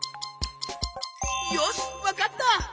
よしわかった！